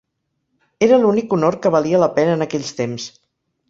Era l'únic honor que valia la pena en aquells temps.